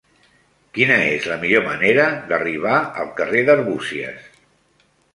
Quina és la millor manera d'arribar al carrer d'Arbúcies?